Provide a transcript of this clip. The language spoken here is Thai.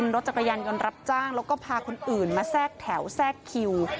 โรจกยานจอญรับจ้างแล้วก็พาคนอื่นมาทรกแถวมีแฟนคิว